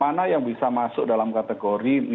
mana yang bisa masuk dalam kategori kesehatan ya